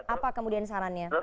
apa kemudian sarannya